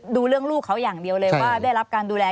ดูเรื่องลูกเขาอย่างเดียวเลยว่าได้รับการดูแล